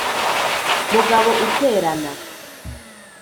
mugabo uterana